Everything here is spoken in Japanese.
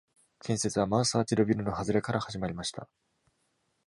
建設は、マーサー・ティドビルの外れから始まりました。